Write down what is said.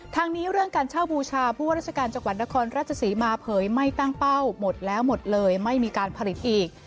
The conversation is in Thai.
ทางนี้เรื่องการเช่าบูชาผู้ว่าราชการจังหวัดนครราชศรีมาเผยไม่ตั้งเป้าหมดแล้วหมดเลยไม่มีการผลิตอีก